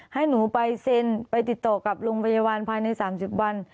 ให้หนูไปเซ็นไปติดต่อกับโรงพยาบาลภายใน๓๐วัน